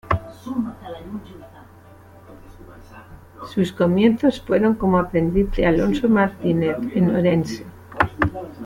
Sus comienzos fueron como aprendiz de Alonso Martínez, en Orense.